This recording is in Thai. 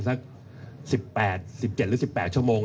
สัก๑๘ชั่วโมง